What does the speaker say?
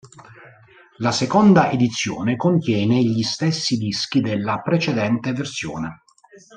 La seconda edizione contiene gli stessi dischi della precedente versione.